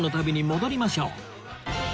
乗りましょう。